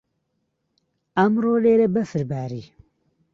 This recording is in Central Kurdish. ئەمڕۆ لێرە بەفر باری.